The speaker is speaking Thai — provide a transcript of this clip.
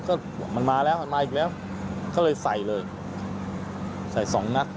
ก็มันมาแล้วมันมาอีกแล้วก็เลยใส่เลยใส่สองนัด